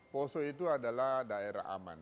poso itu adalah daerah aman